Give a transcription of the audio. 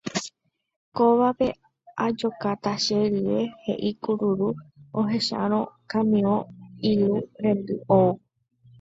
Kóvape ajokáta che rye he'i kururu ohechárõ kamiõ ilu rendy oúvo